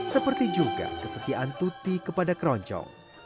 seperti juga kesetiaan tuti kepada keroncong